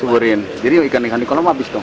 suburin jadi ikan ikan di kolam habis dong